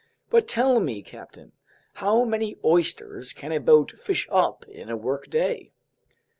But tell me, captain, how many oysters can a boat fish up in a workday?"